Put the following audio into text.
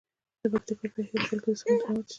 د پکتیکا په یحیی خیل کې د سمنټو مواد شته.